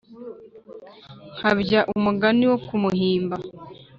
nkabya umugambi wo kumuhimba